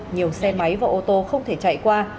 nhiều xe máy và ô tô không thể chạy qua